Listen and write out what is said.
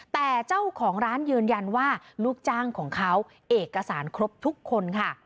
แต่เจ้าของร้านยืนยันว่าลูกจ้างของเขาเอกสารครบทุกคนค่ะ